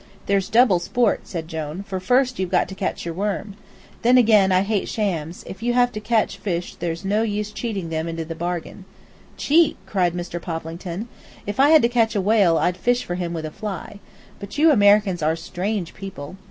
"There's double sport," said Jone, "for first you've got to catch your worm. Then again, I hate shams; if you have to catch fish there's no use cheating them into the bargain." "Cheat!" cried Mr. Poplington. "If I had to catch a whale I'd fish for him with a fly. But you Americans are strange people.